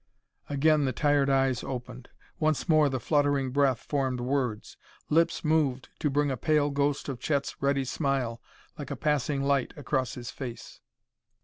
Again the tired eyes opened. Once more the fluttering breath formed words; lips moved to bring a pale ghost of Chet's ready smile like a passing light across his face.